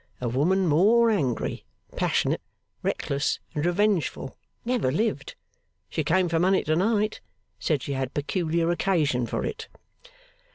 A woman more angry, passionate, reckless, and revengeful never lived. She came for money to night. Said she had peculiar occasion for it.